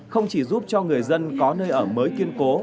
không chỉ giúp cho người dân có nơi ở mới kiên cố